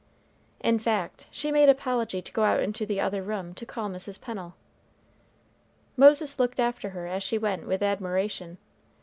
In fact, she made apology to go out into the other room to call Mrs. Pennel. Moses looked after her as she went with admiration.